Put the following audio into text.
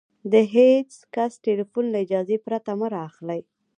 د هېڅ کس ټلیفون له اجازې پرته مه را اخلئ!